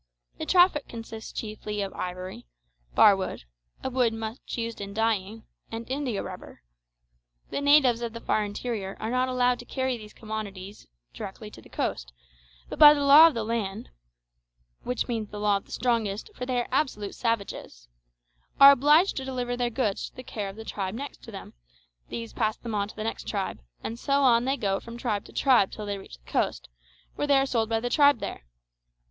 The traffic consists chiefly of ivory, barwood (a wood much used in dyeing), and indiarubber. The natives of the far interior are not allowed to convey these commodities directly to the coast, but by the law of the land (which means the law of the strongest, for they are absolute savages) are obliged to deliver their goods to the care of the tribe next to them; these pass them on to the next tribe; and so on they go from tribe to tribe till they reach the coast, where they are sold by the tribe there.